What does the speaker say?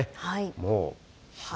もう。